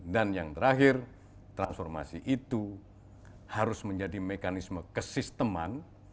dan yang terakhir transformasi itu harus menjadi mekanisme kesisteman